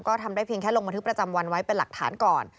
ก็ทำได้เพียงแค่ลงบันทึกประจำวันไว้เป็นหลักฐานก่อน